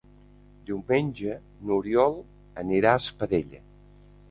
Diumenge n'Oriol anirà a Espadella.